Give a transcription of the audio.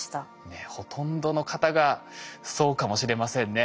ねっほとんどの方がそうかもしれませんね。